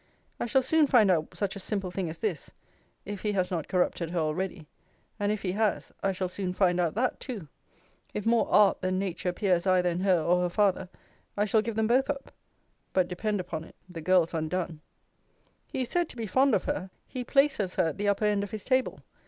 I shall soon find out such a simple thing as this, if he has not corrupted her already and if he has, I shall soon find out that too. If more art than nature appears either in her or her father, I shall give them both up but depend upon it, the girl's undone. He is said to be fond of her. He places her at the upper end of his table.